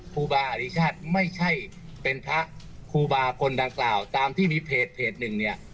ครูบาอริชาติไม่ใช่เป็นพระครูบาคนดังกล่าวตามที่มีเพจหนึ่งเนี่ย